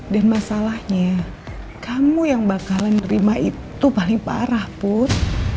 dan masalahnya kamu yang bakalan nerima itu paling parah put